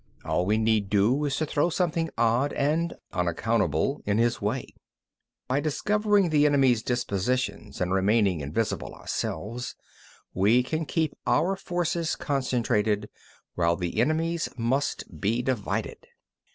All we need do is to throw something odd and unaccountable in his way. 13. By discovering the enemy's dispositions and remaining invisible ourselves, we can keep our forces concentrated, while the enemy's must be divided.